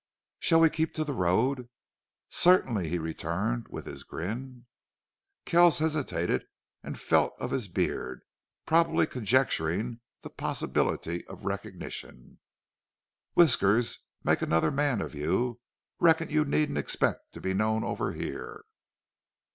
"Shall we keep to the road?" "Certain lee," he returned, with his grin. Kells hesitated, and felt of his beard, probably conjecturing the possibilities of recognition. "Whiskers make another man of you. Reckon you needn't expect to be known over here."